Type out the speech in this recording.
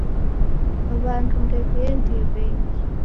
W'andu ndew'iendie w'engi.